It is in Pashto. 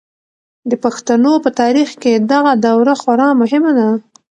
د پښتنو په تاریخ کې دغه دوره خورا مهمه ده.